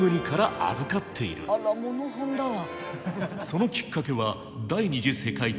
そのきっかけは第二次世界大戦。